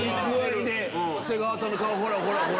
長谷川さんの顔ほらほら。